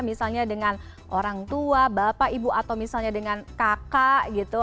misalnya dengan orang tua bapak ibu atau misalnya dengan kakak gitu